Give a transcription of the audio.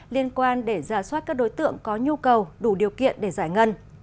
liên quan để giả soát các đối tượng có nhu cầu đủ điều kiện để giải ngân